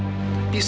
dan membuatmu merasa